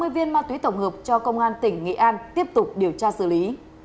ba trăm sáu mươi viên ma túy tổng hợp cho công an tỉnh nghệ an tiếp tục điều tra xử lý